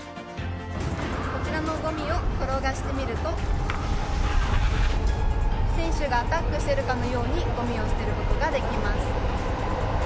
こちらのごみを転がしてみると選手がアタックしてるかのようにごみを捨てることができます。